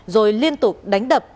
rồi liên tục đánh đập